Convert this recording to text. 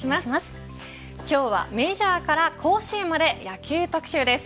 今日はメジャーから甲子園まで野球特集です。